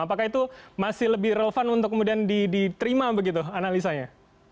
apakah itu masih lebih relevan untuk kemudian diterima begitu analisanya